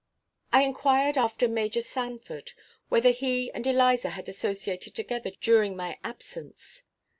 I inquired after Major Sanford; whether he and Eliza had associated together during my absence.